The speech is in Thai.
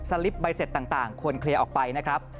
ลิปใบเสร็จต่างควรเคลียร์ออกไปนะครับ